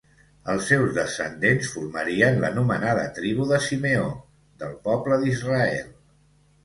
Els seus descendents formarien l'anomenada Tribu de Simeó del poble d'Israel.